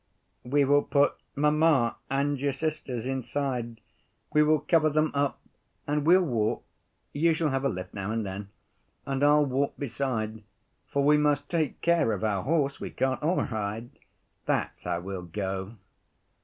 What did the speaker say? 'We will put mamma and your sisters inside, we will cover them up and we'll walk, you shall have a lift now and then, and I'll walk beside, for we must take care of our horse, we can't all ride. That's how we'll go.